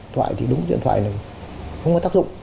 thoại thì đúng điện thoại là không có tác dụng